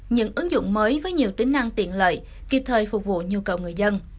những ứng dụng mới với nhiều tính năng tiện lợi kịp thời phục vụ nhu cầu người dân